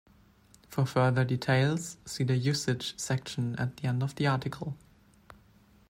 For further details, see the Usage section at the end of the article.